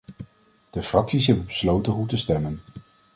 De fracties hebben besloten hoe te stemmen.